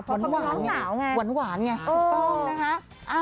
เพราะเขาคือน้องเหนาไงโหวนหวานไงถูกต้องนะคะ